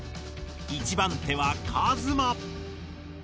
一番手はカズマ。